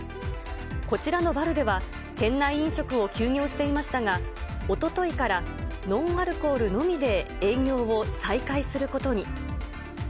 こちらのバルでは、店内飲食を休業していましたが、おとといからノンアルコールのみで営業を再開することに。